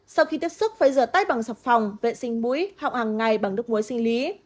sau khi tiếp xúc phải rửa tay bằng sập phòng vệ sinh mũi học hàng ngày bằng nước mũi sinh lý